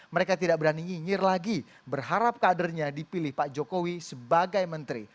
mereka tidak berani nyinyir lagi berharap kadernya dipilih pak jokowi sebagai menteri